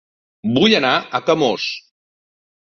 Vull anar a Camós